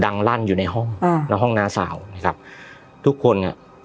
ลั่นอยู่ในห้องอ่าณห้องน้าสาวนะครับทุกคนอ่ะ